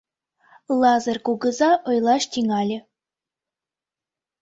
Лазыр кугыза ойлаш тӱҥале: